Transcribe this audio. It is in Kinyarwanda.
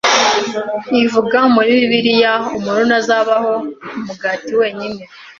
Ivuga muri Bibiliya, "Umuntu ntazabaho ku mugati wenyine."